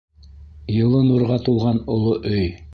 Йылы нурға тулған оло өй.